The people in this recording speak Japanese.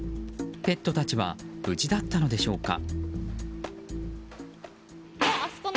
ペットたちは無事だったのでしょうか。